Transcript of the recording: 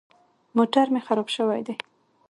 موټر مې خراب شوی دی.